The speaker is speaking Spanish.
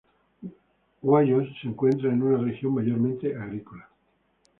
Guayos se encuentra en una región mayormente agrícola.